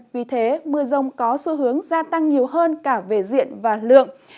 vì thế mưa rông có xu hướng gia tăng nhiều hơn cả về diện và lượng